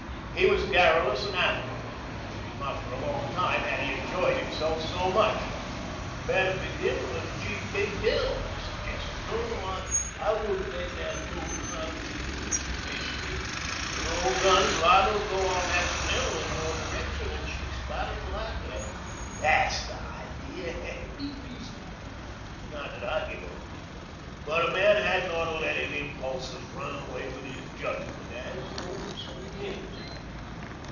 He was garrulous and affable. Not for a long time had he enjoyed himself so much. "Better begin with Chief Big Bill," he suggested. "No, I wouldn't make that move if I was you, Mr. Macy. This old gun is liable to go off accidental in your direction and she spatters like hell. That's the idee. Be reasonable. Not that I give a hoot, but a man hadn't ought to let his impulses run away with his judgment, as the old sayin' is."